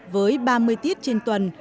với ba mươi tiết trên tuần